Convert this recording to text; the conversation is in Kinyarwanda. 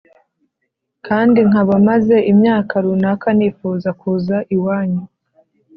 Kandi nkaba maze imyaka runaka nifuza kuza iwanyu